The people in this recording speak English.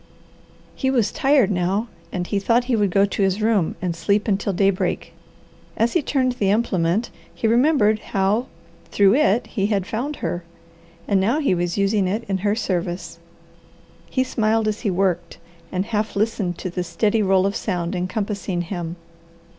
He was tired now and he thought he would go to his room and sleep until daybreak. As he turned the implement he remembered how through it he had found her, and now he was using it in her service. He smiled as he worked, and half listened to the steady roll of sound encompassing him.